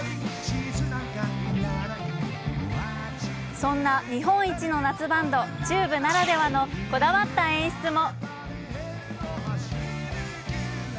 そんな日本一の夏バンド、ＴＵＢＥならではのこだわった演出も。